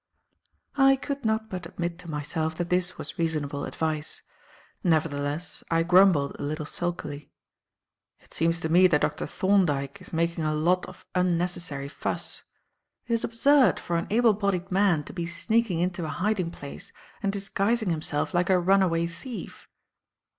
I could not but admit to myself that this was reasonable advice. Nevertheless, I grumbled a little sulkily. "It seems to me that Dr. Thorndyke is making a lot of unnecessary fuss. It is absurd for an able bodied man to be sneaking into a hiding place and disguising himself like a runaway thief."